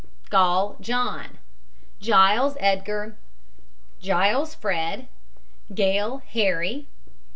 GILL, JOHN. GILES, EDGAR. GILES, FRED. GALE, HARRY.